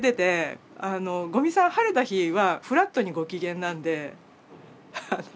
五味さん晴れた日はフラットにご機嫌なんで。